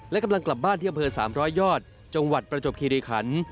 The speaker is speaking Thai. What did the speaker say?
และกำลังกลับบ้านที่อำเภอ๓๐๐ยอดจังหวัดประจบคิริขัน